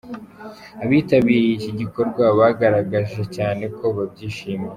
Abitabiriye iki gikorwa, bagaragaje cyane ko babyishimiye.